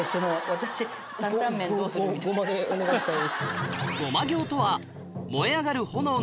護摩でお願いしたい。